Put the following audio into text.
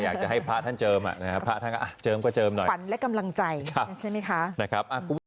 อยากจะให้พระท่านเจิมพระท่านก็เจิมก็เจิมหน่อยฝันและกำลังใจใช่ไหมคะนะครับ